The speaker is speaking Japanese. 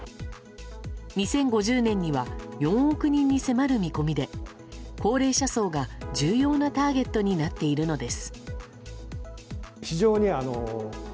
２０５０年には４億人に迫る見込みで高齢者層が重要なターゲットになっているのです。